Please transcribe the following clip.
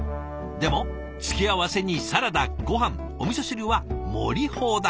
でも付け合わせにサラダごはんおみそ汁は盛り放題。